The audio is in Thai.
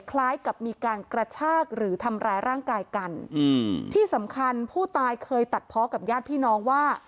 คล้ายกับมีการกระชากหรือทำร้ายร่างกายกันอืมที่สำคัญผู้ตายเคยตัดเพาะกับญาติพี่น้องว่า